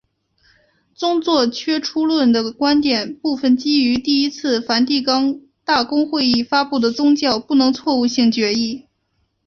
宗座缺出论者的观点部分基于第一次梵蒂冈大公会议发布的教宗不能错误性决议。